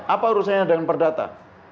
apa urusannya dengan perdata